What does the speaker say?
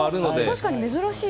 確かに珍しい。